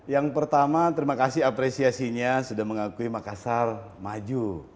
yang pertama terima kasih apresiasinya sudah mengakui makassar maju